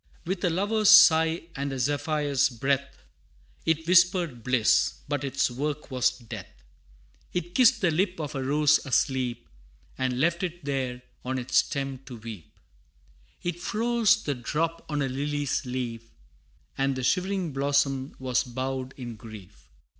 With a lover's sigh, and a zephyr's breath, It whispered bliss, but its work was death: It kissed the lip of a rose asleep, And left it there on its stem to weep: It froze the drop on a lily's leaf, And the shivering blossom was bowed in grief.